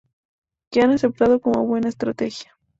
que han aceptado como buena estrategia